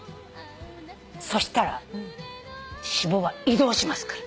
そしたら脂肪は移動しますから。